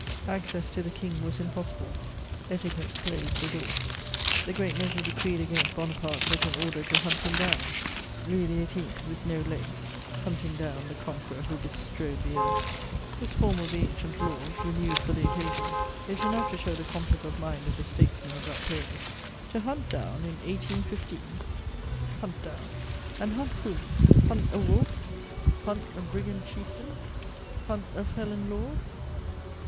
Access to the King was impossible; etiquette closed the door. [Sidenote: A Royal order: "Hunt him down."] The great measure decreed against Bonaparte was an order to "hunt him down:" Louis XVIII., with no legs, "hunting down" the conqueror who bestrode the earth! This form of the ancient laws, renewed for the occasion, is enough to show the compass of mind of the statesmen of that period. "To hunt down" in 1815! "Hunt down!" And "hunt" whom? "Hunt" a wolf? "Hunt" a brigand chieftain? "Hunt" a felon lord?